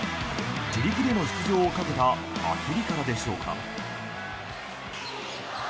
自力での出場をかけた焦りからでしょうか。